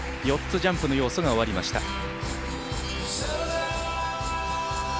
４つジャンプの要素が終わりました。